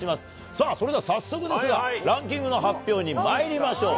さあ、それでは早速ですが、ランキングの発表にまいりましょう。